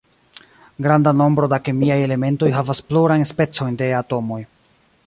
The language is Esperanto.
Granda nombro da kemiaj elementoj havas plurajn specojn de atomoj.